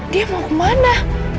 dia mau kemana